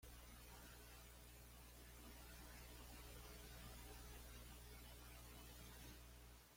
Las operaciones de producción limitan los otros usos de la tierra en el área.